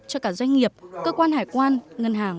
cho cả doanh nghiệp cơ quan hải quan ngân hàng